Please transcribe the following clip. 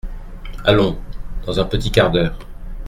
Allons ! dans un petit quart d’heure…